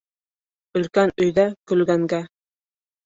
Өлкән өйҙә көлгәнгә